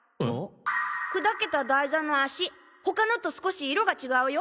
くだけた台座の脚他のと少し色がちがうよ。